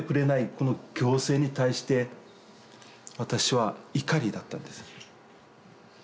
この行政に対して私は怒りだったんです。